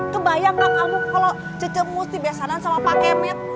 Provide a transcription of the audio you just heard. kebayang gak kamu kalau cece musti biasakan sama pakai med